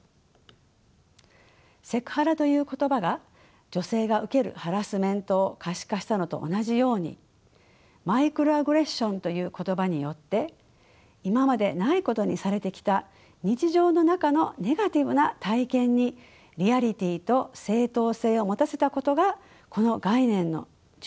セクハラという言葉が女性が受けるハラスメントを可視化したのと同じようにマイクロアグレッションという言葉によって今までないことにされてきた日常の中のネガティブな体験にリアリティーと正当性を持たせたことがこの概念の重要な意義です。